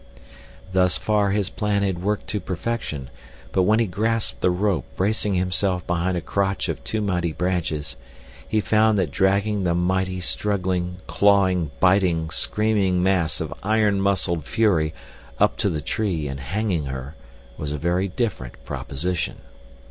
Thus far his plan had worked to perfection, but when he grasped the rope, bracing himself behind a crotch of two mighty branches, he found that dragging the mighty, struggling, clawing, biting, screaming mass of iron muscled fury up to the tree and hanging her was a very different proposition.